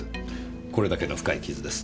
これだけの深い傷です。